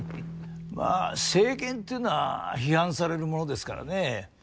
まあ政権っていうのは批判されるものですからね。